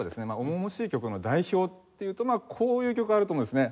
重々しい曲の代表っていうとこういう曲あると思うんですね。